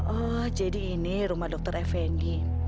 oh jadi ini rumah dokter effendy